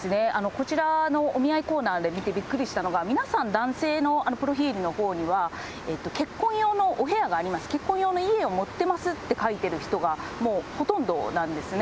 こちらのお見合いコーナーで見てびっくりしたのが、皆さん、男性のプロフィールのほうには、結婚用のお部屋があります、結婚用の家を持っていますって書いてる人が、もうほとんどなんですね。